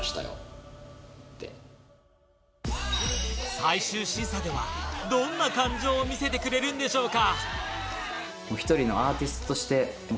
最終審査では、どんな感情を見せてくれるんでしょうか？